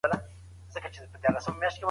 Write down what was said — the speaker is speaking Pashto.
آیا ستا په کور کي کتابتون شته؟